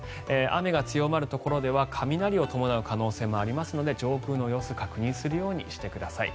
雨が強まるところでは雷を伴う可能性もありますので上空の様子を確認するようにしてください。